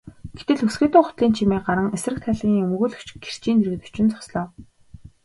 Гэтэл өсгийтэй гутлын чимээ гаран эсрэг талын өмгөөлөгч гэрчийн дэргэд очин зогслоо.